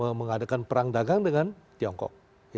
dia ingin mengadakan perang dagang dengan tiongkok